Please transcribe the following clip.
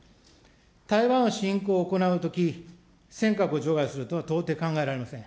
台湾侵攻を行うとき、尖閣を除外するとは到底考えられません。